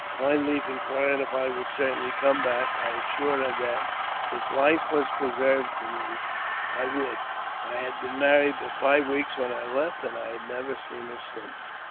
Pine Leaf inquired if I would certainly come back. I assured her that, if life was preserved to me, I would. I had been married but five weeks when I left, and I have never seen her since.